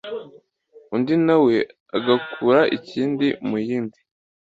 Undi nawe agakura ikindi mu yindi